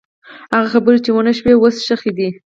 هغه خبرې چې ونه شوې، اوس ښخې دي.